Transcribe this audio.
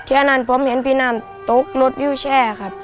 ทีนั้นผมเห็นพี่น้ำตกรถอยู่แช่ครับ